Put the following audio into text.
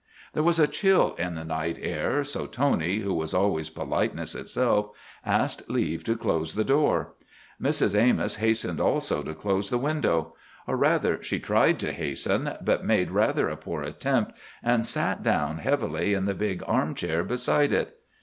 There was a chill in the night air, so Tony, who was always politeness itself, asked leave to close the door. Mrs. Amos hastened also to close the window. Or, rather, she tried to hasten, but made rather a poor attempt, and sat down heavily in the big arm chair beside it.